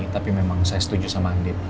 tapi memang saya setuju sama andi